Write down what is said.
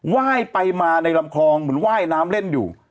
ไหว้ไปมาในลำคลองเหมือนไหว้น้ำเล่นอยู่